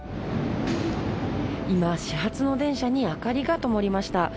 今、始発の電車に明かりがともりました。